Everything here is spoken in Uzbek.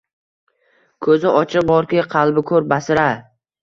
Koʼzi ochiq borki, qalbi koʼr, basir-a?!